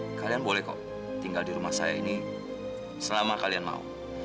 ya kalian boleh kok tinggal di rumah saya ini selama kalian mau